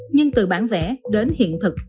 nhưng từ bản vẽ đến hiện thực